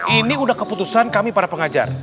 ini udah keputusan kami para pengajar